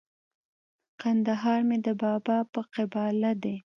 کندهار مي د بابا په قباله دی